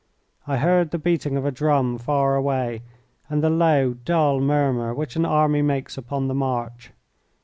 I heard the beating of a drum far away, and the low, dull murmur which an army makes upon the march.